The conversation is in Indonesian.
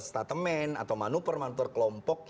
statemen atau manupur manupur kelompok